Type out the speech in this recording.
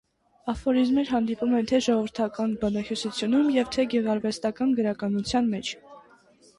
Աֆորիզմեր հանդիպում են թե՛ ժողովրդական բանահյուսությունում և թե՛ գեղարվեստական գրականության մեջ։